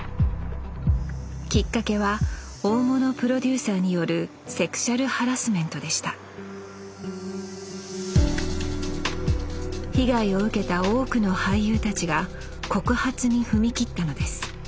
きっかけは大物プロデューサーによるセクシャルハラスメントでした被害を受けた多くの俳優たちが告発に踏み切ったのです。